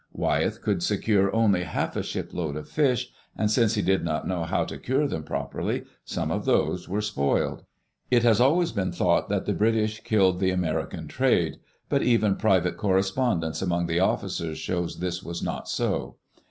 Wyeth could secure only half a shipload of fish, and since he did not know how to cure them properly, some of those were spoiled. It has always been thought that the British killed the American's trade; but even private correspondence among the officers shows this was not so.